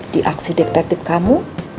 di aksi dektatif kamu